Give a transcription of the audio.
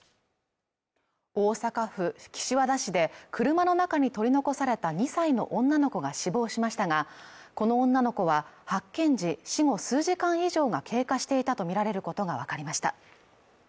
大阪府岸和田市で車の中に取り残された２歳の女の子が死亡しましたがこの女の子は発見時死後数時間以上が経過していたと見られることが分かりました